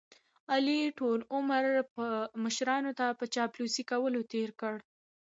علي ټول عمر مشرانو ته په چاپلوسۍ کولو تېر کړ.